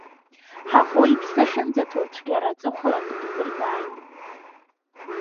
Ҳаӷоу иԥсы ахьынӡаҭоу, цәгьара аҵыхәала дыбзыргааит.